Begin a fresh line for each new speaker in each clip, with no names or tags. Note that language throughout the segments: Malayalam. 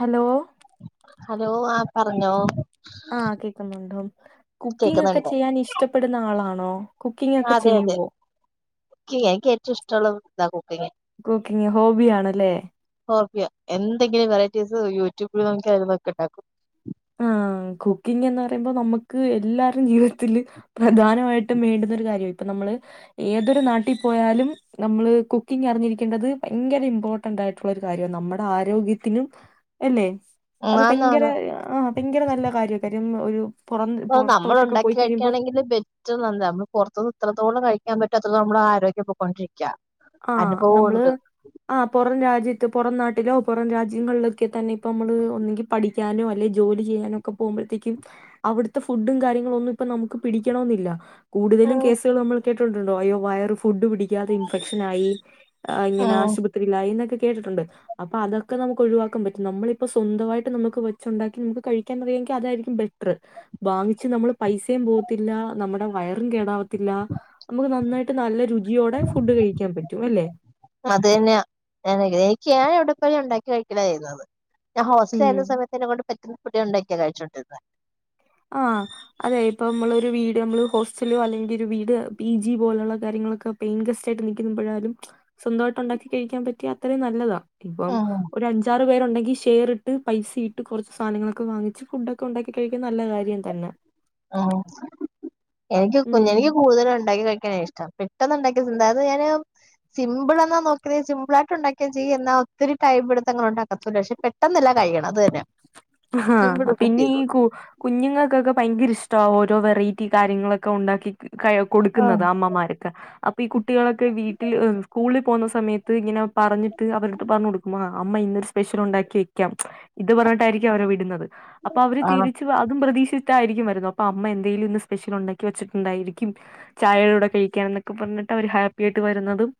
ഹലോ
ഹലോ ആ പറഞ്ഞോ
ആഹ് കേക്കുന്നുണ്ടോം കുക്കിംഗ് ഒക്കെ
കേക്കുന്നുണ്ട്
ചെയ്യാൻ ഇഷ്ടപ്പെടുന്ന ആളാണോ കുക്കിംഗ് ഒക്കെ
അതെ അതെ
ചെയ്യുവോ
എനിക്ക് ഏറ്റൊ ഇഷ്ട്ടൊള്ള താ കുക്കിങ്.
കുക്ക്യിങ്ങ് ഹോബിയാണല്ലേ
ഹോബ്യാ എന്തെങ്കിലും വെറൈറ്റീസ് യൂടൂബ്ൽ നോക്കി അയ്നതൊക്കെണ്ടാക്കും
ആഹ് കുക്കിങ്ങ് എന്ന് പറയുമ്പോ നമുക്ക് എല്ലാരുടെയും ജീവിതത്തില്- പ്രധാനമായിട്ടും വേണ്ടുന്ന ഒരു കാര്യവാ ഇപ്പം നമ്മെള് ഏതൊരു നാട്ടി പോയാലും നമ്മെള് കുക്കിങ്ങറിഞ്ഞിരിക്ക്യെണ്ടെത് ഭയ്ങ്കര ഇമ്പോ ട്ടണ്ടായിട്ടുള്ളൊരു കാര്യവാ നമ്മടെ ആരോഗ്യത്തിനും എല്ലേ അത് ഭയ്ങ്കര
ആന്നാന്ന്
ആഹ് ഭയ്ങ്കര നല്ല കാര്യ കാര്യം ഒരു. പുറം
പ്പ
പുറത്തോട്ടൊക്കെ
നമ്മളൊണ്ടാക്കി
പോയി കഴിയുമ്പോ
കഴിക്കാണെങ്കില് റ്റോം നന്ന് നമ്മള് പൊറത്തുന്ന് ത്രത്തോളം കഴിക്കാൻ പറ്റും അത്രതോളം നന്മളാ ആരോഗ്യം പൊക്കോണ്ടിരിക്ക
ആഹ് നമ്മള് ആ പൊറം രാജ്യത്ത് പൊറം നാട്ടിലോ പൊറം രാജ്യങ്ങൾലൊക്കെ തന്നെ ഇപ്പ നമ്മള് ഒന്നെങ്കി പഠിക്കാനോ അല്ലെ ജോലി ചെയ്യാനോ ക്കെ പോവ്മ്പഴ്ത്തേക്കും അവിട്ത്തെ ഫുഡും കാര്യങ്ങളൊന്നും ഇപ്പൊ നമുക്ക് പിടിക്കണോന്നില്ല. കൂടുതലും
ഉം
കേസ്കള് നമ്മള് കേട്ടിണ്ടുണ്ടോ അയ്യോ വയറ് ഫുഡ് പിടിക്കാതെ ഇൻഫെക്ഷൻ ആയി ആഹ് ഇങ്ങനെ
ഉം
ആശുപത്രിയിയിലായി ന്നൊക്കെ കേട്ടിട്ടുണ്ട് അപ്പൊ അതൊക്കെ നമക്ക് ഒഴിവാക്കാൻ പറ്റും നമ്മളിപ്പോ സ്വന്തായിട്ട് നമക്ക് വെച്ചൊണ്ടാക്കി നമക്ക് കഴി- കെന്നത് എങ്കി അതായിരിക്കും ബെറ്റ്റ് വാങ്ങിച്ച് നമ്മള് പൈസയും പോവത്തില്ല നമ്മടെ വയറും കേടാവത്തില്ല അമ്മക്ക് നന്നായിട്ട് നല്ല രുചിയോടെ ഫുഡ് കഴിക്കാൻ പറ്റും അല്ലെ
അതന്നെയാ ഞാനിലെ എനിക്കാവിടെ പോയാലൊണ്ടാക്കി കഴിക്കലായ്യെന്നത് ഞാൻ
ഉം
ഹോസ്റ്റലാര്ന്ന സമയത്തെന്നെകൊണ്ട് പറ്റ്ന്ന ഫുഡ്കളണ്ടാക്കിയിട്ടാ കഴിച്ചോണ്ടിര്ന്നെ
ആഹ് അതെ ഇപ്പമ്മളൊരു വീട് നമ്മള് ഹോസ്റ്റലോ അല്ലെങ്കിൽ ഒരു വീട് പി ജി പോലൊള്ള കാര്യങ്ങളൊക്കെ പെയിൻ ഗസ്റ്റ് ആയിട്ട് നിക്കുമ്പോഴാലും സ്വന്തായ്ട്ടൊണ്ടാക്കി കഴിക്കാൻ പറ്റിയാ അത്രേം നല്ലതാ ഇപ്പം
ഉം
ഒരഞ്ചാർ പേരൊണ്ടെങ്കി ഷയറിട്ട് പൈസയിട്ട് കൊറച്ച് സാനങ്ങളൊക്കെ വാങ്ങിച്ച് ഫുഡോക്കെ ഒണ്ടാക്കി കഴിക്കാൻ നല്ല കാര്യം തന്നെ
ഉം എനിക്കും
ഉം
കുഞ്ഞെനിക്കും കൂടുതലും ഒണ്ടാക്കി കഴിക്കാനാ ഇഷ്ടം പെട്ടന്നൊണ്ടാക്കിയ തിന്ന അത് ഞാന് സിമ്പ്ളാന്ന നോക്കിയേന്ന് വെച്ച് സിമ്പിളായിട്ട്ണ്ടാക്കിയാ ചെയ്യും എന്നാ ഒത്തിരി ടൈ മെടുത്തങ്ങ്ണ്ടാക്കത്തുല്ലാ പക്ഷെ പെ- ട്ടെന്നല്ലാ കയ്യണം അതന്നെ
ആ പിന്നെ ഈ കു കുഞ്ഞുങ്ങക്കൊക്കെ ഭയങ്കര ഇഷ്ട്ടാ ഓരോ വെറൈറ്റി കാര്യങ്ങളൊക്കെ ഒണ്ടാക്കി കയ കൊടുക്കുന്നത്
ആഹ്
അമ്മമാരക്കെ പ്പെ ഈ കുട്ടികളൊക്കെ വീട്ടില് സ്കൂളില് പോന്ന സമയത്ത് ഇങ്ങനെ പറഞ്ഞിട്ട് അവര്ടത്ത് പറഞൊടുക്കുമാ അമ്മ ഇന്നൊരു സ്പെഷ്യൽ ഒണ്ടാക്കി വെക്കാം ഇത് പറഞ്ഞിട്ടായ്രിക്കും അവരെ വിടുന്നത് അപ്പൊ അവര്
ആണോ
തിരിച് അതും പ്രതീക്ഷിച്ചിട്ടായ്രിക്കും വരുന്നത്. അപ്പൊ അമ്മ എന്തേലും ഇന്ന് സ്പെഷ്യലൊണ്ടാക്കി വെച്ചിട്ടൊണ്ടായ്രിക്കും ചായയുടെ കൂടെ കഴിക്കാന്നൊക്കെ പറഞ്ഞിട്ടവര് ഹാപ്പി ആയിട്ട് വര്ന്നതും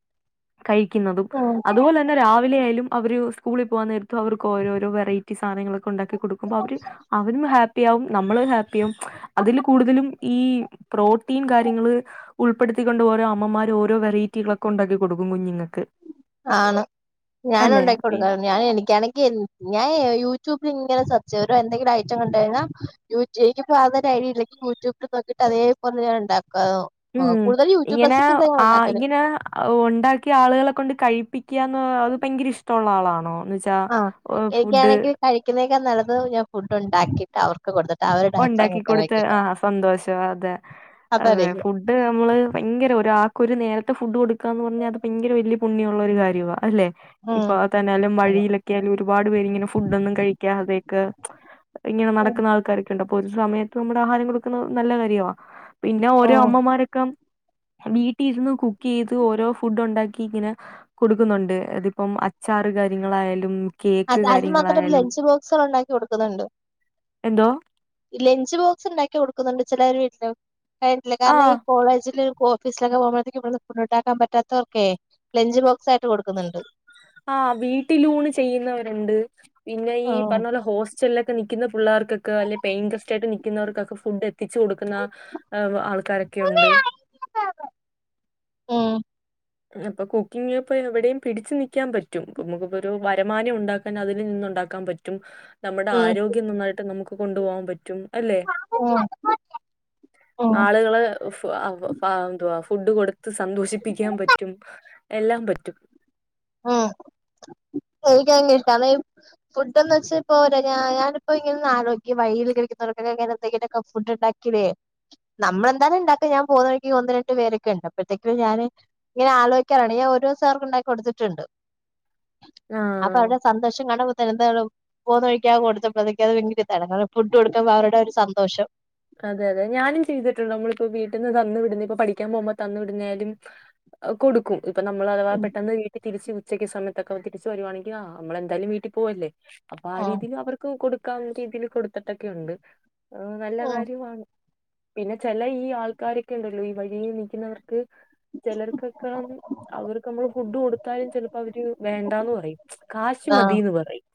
കഴിക്കുന്നതും
ഉം
അതുപോലെ- ന്ന രാവിലെ ആയാലും അവര് സ്കൂളിൽ പോവാ നേരത്തും അവർക്കോരോരോ വെറൈറ്റീ സാന- നൊണ്ടാക്കി കൊടുക്കുമ്പോ അവര് അവരും ഹാപ്- പ്പിയാവും നമ്മളും ഹാപ്പിയാവും അതില് കൂടുതലും ഈ പ്രോട്ടീൻ കാര്യങ്ങള് ഉൾപ്പെടുത്തിക്കൊണ്ട് ഓരോ അമ്മമാരും ഓരോ വെറൈറ്റികളൊക്കെ ഒണ്ടാക്കി കൊടുക്കും കുഞ്ഞിങ്ങക്ക്
ആണ് ഞാനൊണ്ടാക്കി
ഈ-
കൊടുക്കാ- ഞാൻ എനിക്കാണെങ്കി എ ഞാനേ യൂട്യൂബിൽ ഇങ്ങനെ സെർച്ചെയ്യും ഒരെന്തെങ്കിലും ഐറ്റം കണ്ടഴിഞ്ഞാ [unintelligible] അതേ പോലെ ഉണ്ടാക്ക
ഉം ഇങ്ങനെ ആ ഇങ്ങനെ ഒണ്ടാക്കിയ ആളുകളെ കൊണ്ട് കഴിപ്പിക്ക്യാന്ന് അത് ഭൈങ്കര ഇഷ്ട്ടൊള്ള ആളാണോ എന്ന് വെച്ചാ
ആ
ഫുഡ്
എനിക്കാണെങ്കി കഴിക്ക്ന്നേക്കാ നല്ലത് ഞാൻ ഫുഡോണ്ടാക്കിയിട്ട് അവർക്ക് കൊടുത്
ഒണ്ടാക്കി കൊടുത്ത് ആഹ് സന്തോഷം അതെ അതെ
അതായിരിക്കും
ഫുഡ് നമ്മള് ഭൈങ്കര ഒരാ- ഒരു നേരത്തെ ഫുഡ് കൊടുക്കാന്ന് പറഞ്ഞാ അത് ഭൈങ്കര വല്ല്യ പുണ്യോള്ളൊരു കാര്യവാ അല്ലെ
ഉം
ഇപ്പൊ തനാലും
അതെ
വഴിയിലൊക്ക്യാലും ഒരുപാട് പേരിങ്ങനെ ഫുഡോന്നും കഴിക്കാതേക്ക ഇങ്ങനെ
ഉം
നടക്കുന്ന ആൾക്കാര്- ട്ട്ണ്ട് പ്പൊരു സമയത്ത് നമ്മടെ ആഹാരം കൊടുക്കുന്നത് നല്ല കാര്യവാ. പിന്നെ ഓരോ
ഉം
അമ്മമാരൊക്ക വീട്ടീര്ന്ന് കുക്കെയ്ത് ഓരോ ഫുഡ് ഒണ്ടാക്കി ഇങ്ങനെ കൊടുക്കുന്നുണ്ട് അതിപ്പം അച്ചാറ് കാര്യങ്ങളായാലും. കേക്ക്
അത് അത് മാത്രം
കാര്യങ്ങളായാലും
ലഞ്ച് ബോക്സുൾ ഉണ്ടാക്കി കൊടുക്കുന്നുണ്ട്.
എന്തോ.
ലഞ്ച് ബോക്സ് ഇണ്ടാക്കി കൊടുക്കുന്നുണ്ട് ചെല വീട്ടില് കാരണം ഈ
ആഹ്.
കോളേജില്. ഓഫീസിലൊക്കെ പോവ്മ്പഴേത്തേക്കും ഇവട്ന്ന് ഫുഡ്ണ്ടാക്കാൻ പറ്റാത്തവർക്കെ ലഞ്ച് ബോക്സ് ആയിട്ട് കൊടുക്കുന്ന്ണ്ട്.
ആഹ് വീട്ടിലൂണ് ചെയ്യുന്നവരുണ്ട് പിന്നെ ഈ
ഉം
പറഞ്ഞ പോലെ ഹോസ് സ്റ്റൽലൊക്കെ നിക്ക്ന്ന പുള്ളേർക്കൊക്കെ അല്ലെ പെയിൻകസ്റ്റായിട്ട് നിക്കുന്നവർക്കൊക്കെ ഫുഡ് എത്തിച്ച് കൊടുക്കുന്ന. ഏഹ് ആൾക്കാരൊക്കെ ഉണ്ട്.
ഉം.
അപ്പൊ കുക്കിങ്ങെപ്പഴും എവിടെയും പിടിച്ച് നിക്കാൻ പറ്റും പ്പമ്മക്കിപ്പൊരു വര്മാനം ഉണ്ടാക്കാൻ അതിൽ നിന്നുണ്ടാക്കാൻ പ റ്റും നമ്മുടെ
ഉം
ആരോഗ്യം നന്നായിട്ട് നമുക്ക് കൊണ്ടുപോകാൻ പറ്റും അല്ലെ. [inaudible]
ഉം ഉം
ആളുകള് ഫ് ഹ അ ഫ എന്തുവാ ഫുഡ് കൊടുത്ത് സന്തോഷിപ്പിക്കാൻ പറ്റ് റ്റും എല്ലാം പറ്റും. [inaudible]
ഇൻക്കങ് ഇഷ്ട്ടാണ്. ഫുഡ് എന്ന് വെച്ച് പ്പോ തെ ഞാ ഞാനിപ്പോ ഇങ്ങനെ അലോയ്ക്ക വഴിയിൽ ശെരിക്ക് തൊർക്ക് എന്തെക്കെ ഫുഡ്ണ്ടാ ക്കിലെ നമ്മളെന്താലും ഇണ്ടാക്കാ ഞാൻ പോവുന്നവൈക്ക് ഒന്ന് രണ്ട് പേരൊക്കെണ്ട് അപ്പഴേത്തേക്കും ഞാന്. ങ്ങനെ ആലോയ്ക്കാർണ്ട് ഞാ ഒരൂസ വർക്ക് ണ്ടാക്കി കൊട് ട്ട്ണ്ട്
ആഹ്
അപ്പൊ അവര്ടെ സന്തോഷം കണ്ടമ്പോത്തന്നെ ന്താണ്. പോകുന്നവഴിക്കാ കൊടുത്തപ്പഴേത്തേക്ക് അത് ബൈങ്കരതാണ് കാരണം ഫുഡ് കൊടുത്തപ്പൊ അവര്ടെ ഒര് സന്തോഷം.
അതെ അതെ ഞാനും ചെയ്തിട്ടുണ്ട് നമ്മളിപ്പോ വീട്ട്ന്ന് തന്നു വിട്ന്ന ഇപ്പൊ പഠിക്കാൻ പോകുമ്പോ തന്നു വിടുന്നായാലും. ഹ് കൊടുക്കും ഇപ്പൊ നമ്മൾ അഥവാ പെട്ടെന്ന വീ തിരിച്ച് ഉച്ചക്ക് സമയത്തൊക്കെ തിരിച്ച് വരുവാണങ്കി ആഹ് അമ്മളെന്തായ്ലും വീട്ടി പോവല്ലേ അപ്പൊ ആ
ആഹ്
രീതിയില് അവർ ക്കും കൊടുക്കാൻ രീതിയിൽ കൊടുത്തിട്ടൊക്കെണ്ട് ഹ് നല്ല കാര്യ
ആഹ്
പിന്നെ ചെല ഈ ആൾക്കാരൊക്കെ ണ്ടല്ലോ ഈ വഴിയിൽ നിക്കുന്നവർ. ക്ക് ചെലർക്കൊക്കെ അവർക്ക് അമ്മള് ഫുഡ് കൊടുത്താലും ചെൽപ്പോ അവര് വേണ്ടാന്ന് പറയും കാശ് മതിന്ന് പറയും.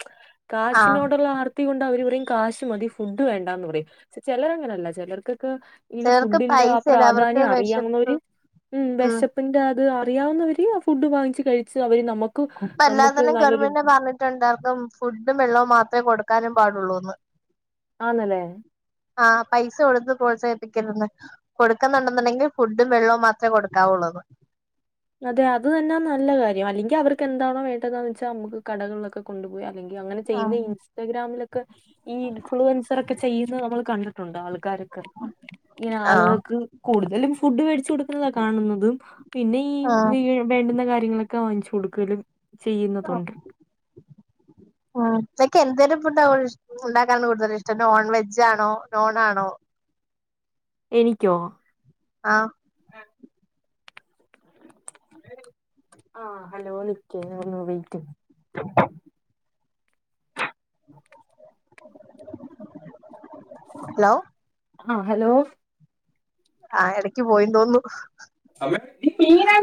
ആഹ്
കാശിനോടുള്ള ആർ ത്തി കൊണ്ട് അവര് പറിയും കാശ് മതി ഫുഡ് വേണ്ട എന്ന് പറിയും ചെലറങ്ങനെയല്ല ചെലർക്കൊക്കെ. ഇങ്ങനെ
ചിലർക്ക്
ഫുഡിന്റെ ആ
പൈസ ഇല്ല അവർക്ക്
പ്രാധാന്യം
വിശപ്പ്
അറിയാവുന്നൊര് ഉം വെഷ പ്പ്ന്റ അത് അറിയാവുന്നവര് ആ ഫുഡ് വാങ്ങിച്ച് കൈച്ച് അവര് നമ
ഇപ്പ എല്ലാ തരം ഗർമന്റും പറഞ്ഞിട്ട്ണ്ടാർന്നു ഫുഡും വെള്ളവും മാത്രേ കൊടുക്കാനും പാടുള്ളൂന്ന്.
ആന്ന്ല്ലേ.
ആഹ് പൈസ കൊട്ത്ത് പ്രോത്സാഹിപ്പിക്കര്തന്ന്. കൊടുക്കുന്നുണ്ടെന്നുണ്ടെങ്കിൽ ഫുഡും വെള്ളവും മാത്രേ കൊടുക്കാവുള്ളൂന്ന്.
അതെ അത് തന്നെ നല്ല കാര്യം അല്ലെങ്കി അവർക്ക് എന്താണോ വേണ്ടതന്ന് വെച്ചാ നമുക്ക് കടകളിലൊക്കെ കൊണ്ടുപോയി. അല്ലെങ്കി അങ്ങനെ ചെയ്യുന്ന
ആഹ്
ഇൻസ്റ്റാഗ്രാമിലൊക്കെ. ഈ ഇൻഫ്ലുവൻസറൊക്കെ ചെയ്യുന്ന അമ്മൾ കണ്ടിട്ടുണ്ട് ആൾക്കാരൊക്കെ ഇങ്ങനെ ആളുകൾക്ക്. കൂടുതലും ഫുഡ് വേടിച്ച് കൊടുക്കുന്നതാ കാണുന്നത് പിന്നെ ഈ
ആഹ്
വി വേണ്ടുന്ന കാര്യങ്ങളൊക്കെ വാങ്ങിച്ചു കൊടുക്കലും ചെയ്യുന്നതുണ്ട്.
ഹ്മ് ഇതൊക്കെ എന്തരു ഫുഡാ ഓ ഉണ്ടാക്കാനാണ് കൂടുതലിഷ്ട്ടം നോൺ വെജാണോ നോണാണോ?
എനിക്കോ?
ആഹ്.
ആഹ് ഹലോ നിക്കി ഞാ ഒന്ന് വെയിറ്റയ്യ്.
ലോ.
ആഹ് ഹലോ.
ആഹ് എടക്ക് പോയി തോന്ന്ന്നു.
അമ്മെ ഈ പീന